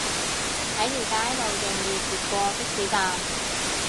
喺條街度仲易截過的士站